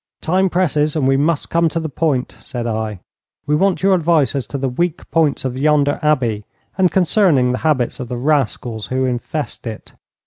'Time presses, and we must come to the point,' said I. 'We want your advice as to the weak points of yonder Abbey, and concerning the habits of the rascals who infest it.'